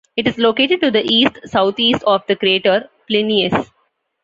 It is located to the east-southeast of the crater Plinius.